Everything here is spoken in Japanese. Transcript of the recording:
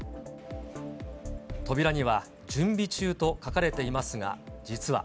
扉には準備中と書かれていますが、実は。